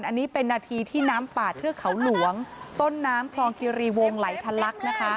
อันนี้เป็นนาทีที่น้ำป่าเทือกเขาหลวงต้นน้ำคลองคิรีวงไหลทะลักนะคะ